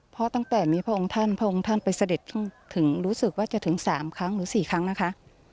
เพราะตั้งแต่มีพระองค์ท่านพระองค์ท่านไปเสด็จถึงรู้สึกว่าจะถึง๓ครั้งหรือ๔ครั้งนะคะ